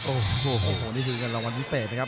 โอ้โหนี่คือเงินรางวัลพิเศษนะครับ